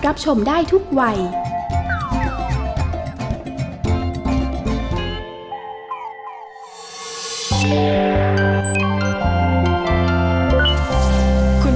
ร้องได้ให้ร้าง